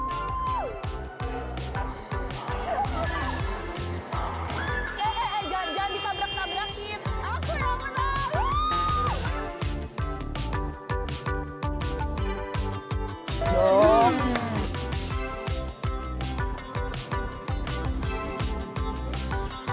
jangan jangan ditabrak tabrakin aku yang benar